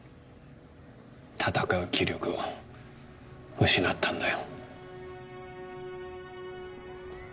戦う気力を失ったんだよ